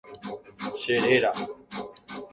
Cheréra.